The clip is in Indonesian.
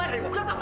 eh dari sini lo